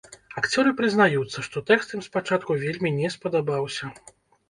Акцёры прызнаюцца, што тэкст ім спачатку вельмі не спадабаўся.